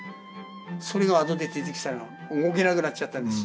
それがあとで出てきたら動けなくなっちゃったんです。